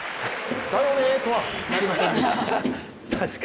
「だよね」とはなりませんでした。